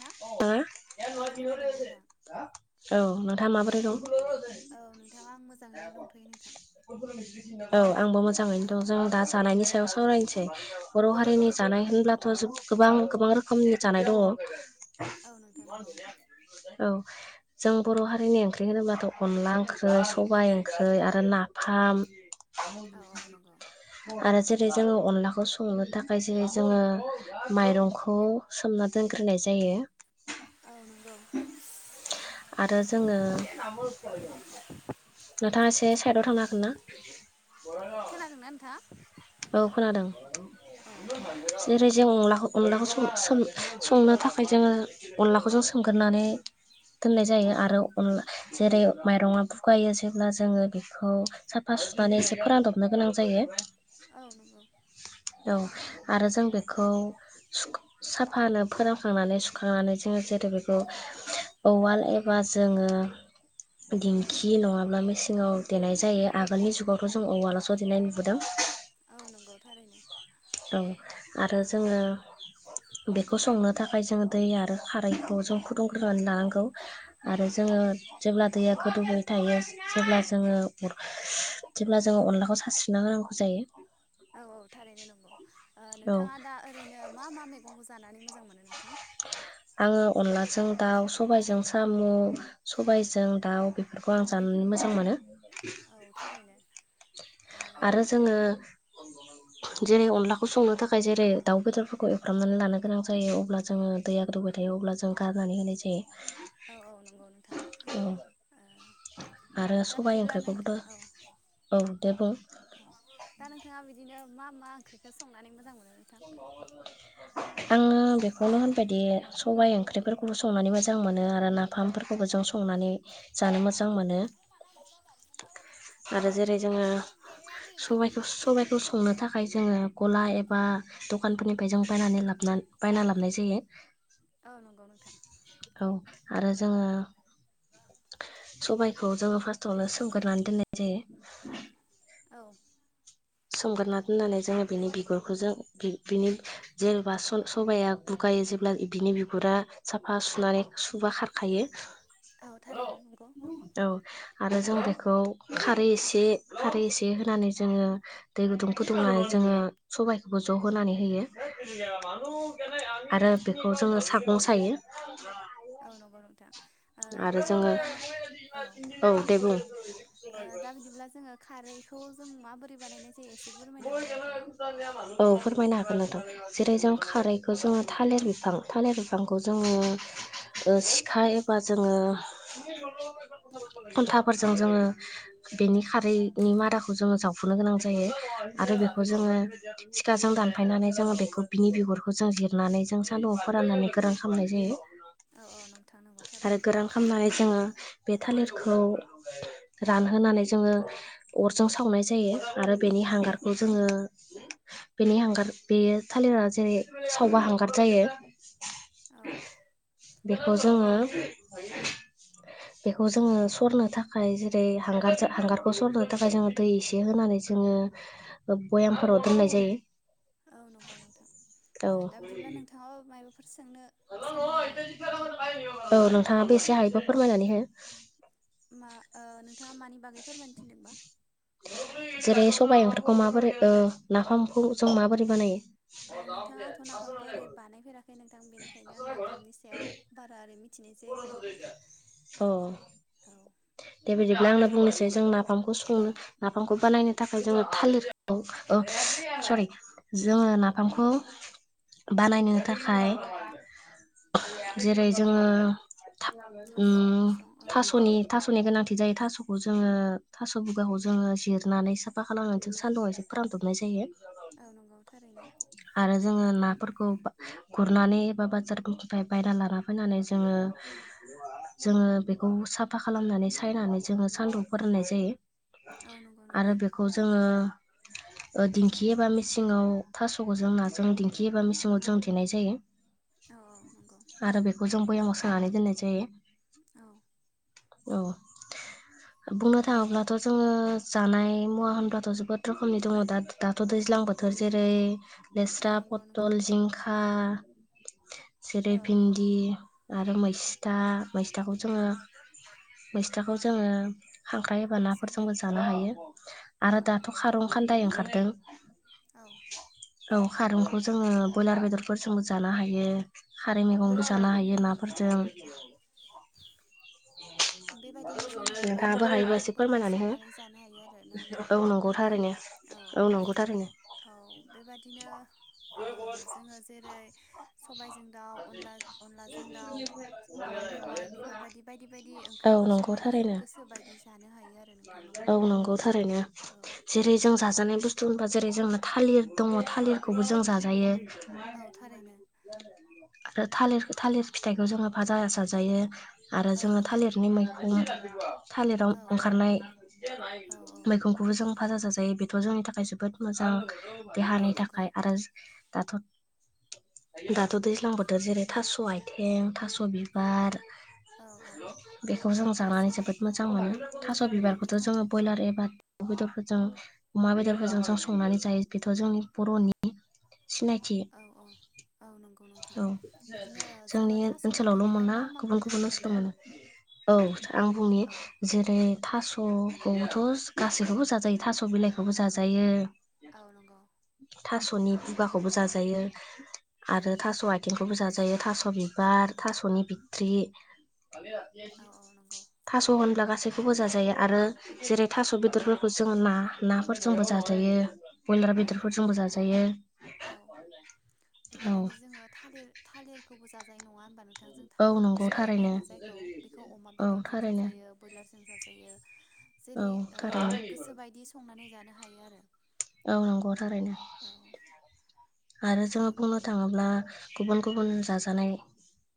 ना औ खोनादों नोंथां औ नोंथां औ माबोरै दं औ नोंथां आं मोजाङैनो दंथ'यो नोंथां औ आंबो मोजाङैनो औ दं जों दा जानायनि सायाव सावरायनोसै [inaudible] बर' औ हारिनि नोंथां जानाय होनब्लाथ' जों गोबां गोबां रोखोमनि जानाय दङ औ नोंथां नंगौ औ जों बर' हारिनि ओंख्रि होनोबाथ अनला ओंख्रि, सबाय ओंख्रि आरो नाफाम औ औ नंगौ आरो जों जोङो अनलाखौ संनो थाखाय जेरै जोङो माइरंखौ सोमना दोनग्रोनाय जायो [unintelligible] आरो जोङो नोंथाङा एसे साइदाव थांनो हागोन ना? [inaudible] खोनादोंना नोंथाङा? औ खोनादों औ जेरै जों अनलाखौ अनलाखौ सोम सोम संनो थाखाय जोङो अनलाखौ जों सोमगोरोनानै दोननाय जायो आरो अनला जेरै माइरङा बुगायो जेब्ला जोङो बेखौ साफा सुनानै एसे फोरानदबनो गोनां जायो। [unintelligible] औ आरो जों औ बेखौ सुख साफानो फोरानखांनानै सुख खांनानै जोङो जेरै बेखौ उवाल एबा जोङो दिंखि नङाब्ला मेचिंआव देनाय जायो आगोलनि जुगावथ जों उवालास देनाय नुबोदों। औ नंगौ थारैनो औ औ आरो जोङो बेखौ संनो थाखाय जोङो दै आरो खारैखौ जों फुदुंग्रोनानै लानांगौ आरो जोङो जेब्ला दैया गोदौबाय थायो जेब्ला जोङो जेब्ला जोङो अनलाखौ सारस्रिना होनांगौ जायो। औ औ थारैनो नं गोव ओ औ नोंथाङा दा ओरैनो मा मा मैगंखौ जानानै मोजां मोनो नोंथां? आङो अनलाजों दाउ सबायाइजों साम' सबायजों दाउ बेफोरखौ आं जानानै मोजां मोनो औ थारैनो ओ आरो जोङो जेरै अनलाखौ संनो थाखाय जेरै दाउ बेदरफोरखौ एवफ्रामनानै लानो गोनां जायो अब्ला जोङो दै आ गोदोवबाय थायो अब्ला जों गारनानै होनाय जायो औ औ नंगौ नोंथां औ ओ आरो दा सबाय बिदिब्ला नोंथां ओंख्रिखौबोथ' औ। औ दे बुं औ दा नोंथाङा बिदिनो मा मा ओंख्रिखौ संनानै मोजां मोनो? नोंथां [inaudible] आङो बेखौनो होनबायदि सबाइ ओंख्रिफोरखौबो संनानै मोजां मोनो आरो नाफामफोरखौबो ज संनानै जानो मोजां मोनो। औ आरो जेरै नंगौ जोङो सबाइखौ सबाइखौ संनो थाखाय जोङो गला एबा दखानफोरनिफ्राय जों बायनानै लाबोना बायना लाबनाय जायो औ नंगौ नोंथां औ आ ओ जोङो सबायखौ जोङो फार्स्टावनो सोमगोर नानै दोननाय जायो। औ सोमगोरना दोननानै जोङो बिनि बिगुरखौ जों बि-बिनि जेबा स-सबाया गुगायो जेब्ला बिनि बिगुरा साफा सुनानै सुबा खारखायो। औ थारैनो नंगौ औ आरो जों औ बेखौ दै एसे खारै एसे होनानै जोङो दै गुदुं फुदुंनानै जोङो सबाइखौबो ज' होनानै होयो आरो बेखौ जोङो सागं सायो। औ नंगौ नोथां। आरो जोङो औ दे बुं दा बिदिब्ला जोङो खारैखौ जों माबोरै बानायनायसै औ फोरमायनो हागोन नोथां जेरै औ जों खारैखौ जोङो। थालिर बिफां थालिर बिफांखौ जोङो ओ सिखा एबा जोङो औ खुन्थाफोरजों जोङो बेनि खारैनि मादाखौ जोङो जावखुनो गोनां जायो आरो औ बेखौ नंगौ जोङो सिखाजों दानफायनानै जोङो बेखौ बिनि बिगरखौ जों जिरनानै जों सान्दुंआव फोराननानै गोरान खालामनाय जायो औ औ नोंथां नंगौ आरो थारैनो गोरान खालामनानै जोङो बे थालिरखौ रानहोनानै जोङो अरजों सावनाय जायो आरो बेनि औ हांगारखौ जोङो बेनि हांगार बेयो थालिरा जेरै सावबा हांगार जायो। औ बेखौ जोङो बेखौ जोङो सरनो थाखाय जेरै हांगारजो हांगारखौ सरनो थाखाय जोङो दै एसे होनानै जोङो ओ भयामफोराव दोननाय जायो। औ नंगौ नोंथां औ ओ दा बिदिब्ला नोंथाङाबो माय फोर सोंनो सानदों नामा नोंथां? औ नोंथाङाबो एसे हायोबा फोरमायनानै हो। मा ओ नोंथाङा मानि बागै फोरमायनो थिनदोंबा? जेरै सबाइ ओंख्रिखौ माबोरै ओ नाफामखौ जों माबोरै बानायो? औ नोंथाङा आंथ नाफामखौ ओरै बानायफेराखै नो दां बेनिखायनो आं नाफामनि सायाव बारा ओरै मिथिनाय जायाखै आरो नोंथां अ औ। दे बिदिब्ला आंनो बुंनोसै जों नाफ फामखौ औ संनो नाफामखौ बानायनो थाखाय जोङो थालिरखौ ओ सरि जोङो नाफामखौ बानायनो थाखाय जेरै औ जोङो नंगौ था उम सास' बिसं औ थास'नि थास'नि गोनांथि जायो थास'खौ जोङो थास' बुगाखौ जोङो जिरनानै साफा खालांसै सान्दुंआव एसे फोरानदबनाय जायो। औ नंगौ थारैनो। खौ बा गुरनानै बा बाजार बायरा लाना फैनानै जोङो जोङो बेखौ साब फा खालामनानै सायनानै जोङो सान्दुं फोराननाय जायो। औ नंगौ आरो नोंथां बेखौ जोङो ओ दिंखि एबा मिसिङाव थास'खौ जों नाजों दिंखि एबा मिसिङाव जों देनाय जायो। औ औ नंगौ आरो बेखौ जों बयेमाव सानानै दोननाय जायो। [inaudible] औ बुंनो थाङोब्लाथ' जोङो जानाय मुवा होनब्लाथ' जोबोद रोखोमनि दङ दा-दाथ' दैज्लां बोथोर जेरै औ लेस्रा नंगौ नोंथां पटल जिंखा जेरै औ भिन्दि आरो मैस्था मैस्थाखौ जोङो मैसथाखौ जोङो खांख्राइ एबा जोङो नाफोरजोंबो जानो हायो औ आरो नंगौ दाथ' नोंथां खारं खान्दाय ओंखारदों। औ। औ खारुंखौ जोङो बयलार बेदरफोरजोंबो जानो हायो। खारै औ मैगंबो जानो नंगौ हायो नाफोरजों। [unintelligible] बेबायदिनो जोङो बायदि नोंथाङाबो बायदि हायोबा एसे मैगंफोर फोरमायनानै हो संनानै जानो हायो आरो नोंग औ नोंगौना नंगौ नोंथां थारैनो औ नंगौ थारैनो औ बेबादिनो ओ जोङो जेरै सबायजों दाउ अनला अनलाजों दाउ औवा मेवाइ बेफोरबादि बायदि बायदि ओं औ ओंख्रिफोर नंगौ संनानै जों थारैनो गोसो बायदि जानो हायो आरो नोंथां औ नंगौना नंगौ थारैनो औ जेरै जों जाजानाय बुस्थु होनबा जेरै जोंना थालिर दङ थालिरखौबो जों जाजायो। औ थारैनो [inaudible] आरो थालिर थालिर फिथाइखौ जोङो भाजा जाजायो आरो औ जोङो नंगौ थालिरनि मैखुम [unintelligible] थालिराव औ खारनाय औ औ मैगंखौबो जों फाजा जाजायो बेथ' जोंनि थाखाय जोबोद मोजां। औ देहानि नंगौ थाखाय आरो दाथ' दाथ' दैज्लां बोथोर जेरै थास' आथिं, थास' बिबार औ औ बेखौ जों थास' जानानै जोबोद औ मोजां मोनो थास' औ बिबारखौथ' नोंथां जोङो बयलार ए बाथ बेदरफोरजों अमा बेदरफोरजों जों संनानै जायो बेथ जोंनि बर'नि सिनायथि औ औ औ नंगौ नोंथां औ बिदिनो जोङो जोंनि थास' ओनसोलावल' बिफांनिफ्राय मोना मा मा गुबुन मोननो गुबुन हायो ओनसोल नोंथां मोनो औ आं बुंनि औ जेरै उम थास'खौबोथ' गासैखौबो जाजायो थास' बिलाइखौबो जाजायो औ नंगौ थास'नि खुगाखौबो जाजायो। औ आरो थास आइथिं खौबो जाजायो थास' बिबार, थास'नि बिथट्रि औ औ नंगौ थास' होनब्ला गासै खौबो जाजायो आरो जेरै थास' बेदरफोरखौ जोङो ना नाफोरजोंबो जाजायो। बयलार औ नंगौ बेदरफोरजोंबो नोंथां जाजायो औ औ बेबादिनो जोङो थालिर थालिर खौबो जाजायो नङा होनबा नों बिथांजों औ थालिर नंगौ फस्ला थारैनो होनो जायखौ बेखौ अमा औ बेदरजों थारैनो जाजायो बयलारजों जाजा औ जेरै ओ थारैनो गोसोबायदि संनानै जानो हायो आरो। औ नंगौ थारैनो औ आरो ओ जोङो बुंनो थाङोब्ला गुबुन गुबुन जाजानाय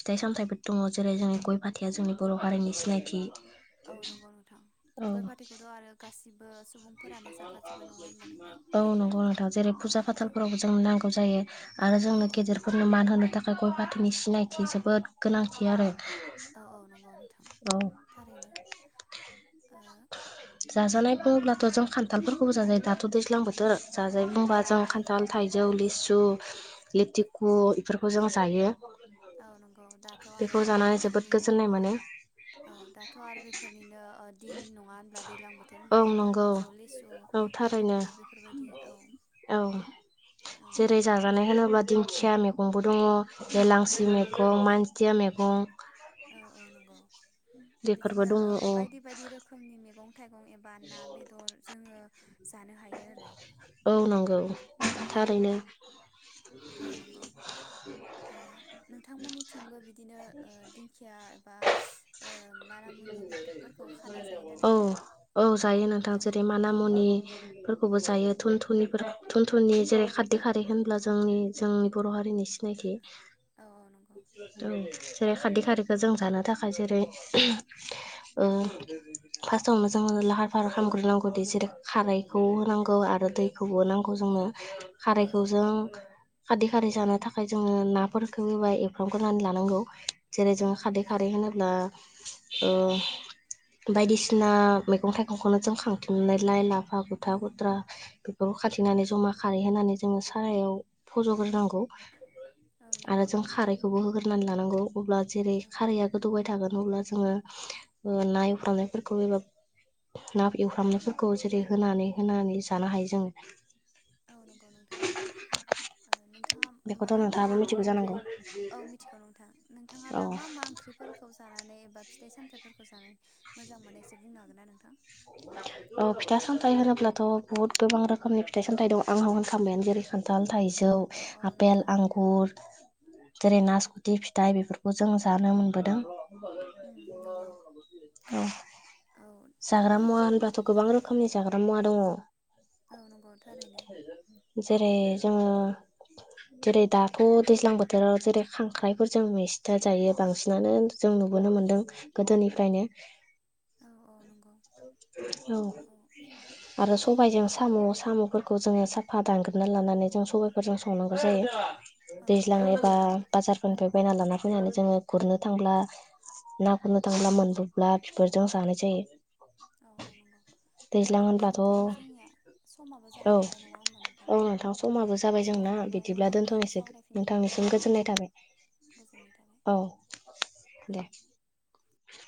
फिथाइ सामथायाइफोर दङ जेरै जोंनि गय फाथैया जोंनि बर' हारिनि सिनायथि औ नंगौ नोंथां औ गय फाथैखौथ' आरो गासिब नोंथां औ नंगौ नोंथां जेरै औ फुजा नोंथां फाथालफोरावबो जोंनो नांगौ जायो आरो औ जोंनो औ गेदेरफोरनो मान होनो थाख गय फाथैनि सिनायथि जोबोद गोनांथि आरो औ औ नंगौ नोंथां औ थारैनो ओ। जाजानाय बुङोब्लाथ' जों खान्थालफोरखौबो जाजायो दाथ' दैज्लां बोथोर जाजायो औ बुंबा औ जों नंगौ खान्थाल थाइजौ लिसु सु लिथिखु इफोरखौ जों जायो। औ नंगौ दाथ' आरो बेखौ जानानै जोबोद बेफोरनिनो गोजोननाय मोनो औ दाथ' आरो बेफोरनिनो ओ दिन नङा होनब्ला दैज्लां बोथोर औ होनबा खान्थाल नंगौ थाइजौ लिसु औ थारैनो लिथुखु बेफोरबायदि औ औ नंगौ। खिया मेगंबो दङ'। औ हेलांसि मेगं मानज खिया मेगं। औ औ नंगौ [inaudible] बिदिनो ओ बायदि बायदि रोखोमनि मेगं थाइगं एबा ना बेदर जोङो जानो हायो आरो। औ नंगौ औ थारैनो। औ नंगौ ओ नोंथांमोननिथिंबो बिदिनो ओ दिंखिया एबा ओ माना मुनि बिफोर फोरखौ खाना जायोना औ नोंथां? औ जायो औ औ। खौबो जायो। थुनथुनिफोर थुनथुनि जेरै खाददै खारै होनब्ला जोंनि जोंनि बर' हारिनि सिनायथि। औ नंगौ [unintelligible] जेरै खाददै खारैखो जों जानो थाखाय जेरै ओ फास्टआवनो जोङो लाहार फाहार खामग्रोनांगौदि जेरै खारैखौ होनांगौ आरो दैखौबो नांगौ जोंनो। औ खारैखौ जों नोंथां खारदै खारै जानो थाखाय जोङो नाफोरखौ एबा एवफ्रामग्रोनानै लानांगौ। जेरै औ जोंङो खारै खारै होनोब्ला ओ बायदिसिना मैगं थाइगंखौनो जों खांथननायलाय लाफा गुथा गुद्रा बेफोरखौ खाथिनानै जमा खारै होनोनानै जोङो सारायाव फजग्रोनांगौ। औ आरो नंगौ जों खारैखौबो होग्रोनानै लानांगौ। अब्ला जेरै औ खारैया गोदौबाय थागोन अब्ला जोङो ना एवफ्र्रामनायफोरखौ एबा ना एवफ्रामनायफोरखौ जेरै होनानै होनानै जानो हायो [unintelligible] औ नंगौ नोंथां ओ नोंथाङा मा बेखौथ' मा नोंथाङाबो मिथिगौ मैगंखौ जानांगौ औ मिथिगौ नोंथां नोंथाङा औ दा मा मा ओंख्रिफोरखौ जानानै एबा फिथाइ सामथाइफोरखौ जानो मोजां मोननाय एसे बुंनो हागोना नोंथां? औ फिथा सामथाइ होनोब्लाथ बहुत गोबां रोखोमनि अ अ फिथाइ सामथाय होनोब्लाथ बहुथ गोबां रोखोमनि फिथाइ सामथाय दं आंहा होनखबायानो जेरै खान्थाल थाइजौ औ औ आफपेल नंगौ आंगुर जेरै नासखुथि फिथाइ बेफोरखौ जों जानो मोनबोदों। औ। उम नंगौ औ जाग्रा दा मुवा होनब्लााथ' गोबां रोखोमनि जाग्रा मुवा दंङ। औ नंगौ थारैनो। जेरै जोङो जेरै दाथ' दैज्लां बोथोराव जेरै खांख्राइफोरजों मिस्था जायो बांसिनानो जों नुबोनो मोनदों गोदोनिफ्रायनो औ औ नंगौ औ आरो दा स'बायजों बिदिब्ला साम' साम'फोरखौ जोङो साफा दानग्रोनना लानानै जों सबबायफोरजों संनांगौ जायो। औ नंगौ दैज्लांनि एबा थारैनो बाजारफोरनिफ्राय बायना लाना फोनानै जोंङो गुरनो थांब्ला ना गुरनो थांब्ला मोनबोब्ला बिफोरजों जानाय जायो। औ औ नंगौ दा दैज्लां बिदिब्ला होनब्लाथ' नोंथां जोंनिया समाबो औ जाहोलांबाय नङा होनबा औ नोंथां समाबो जाबाय आसा जोंना खालामो बिदिब्ला इयुनाव गुवारै दोनथ'नोसै सावरायफिननो मोनगोन नोंथांनिसिम होननानै गोजोननाय गोजोननाय थाबाय थाबाय औ दे।